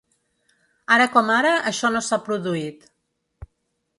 Ara com ara això no s’ha produït.